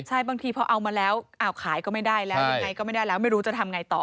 ใช่บางทีพอเอามาแล้วอ้าวขายก็ไม่ได้แล้วยังไงก็ไม่ได้แล้วไม่รู้จะทำไงต่อ